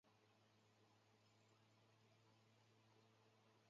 蒙得维的亚才全方位的开始落后。